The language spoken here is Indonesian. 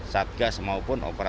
satgas maupun operasi